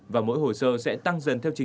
và mỗi hồ sơ sẽ tăng dần theo chỉnh